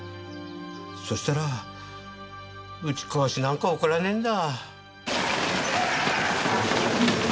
そしたら打ち壊しなんか起こらねえんだ。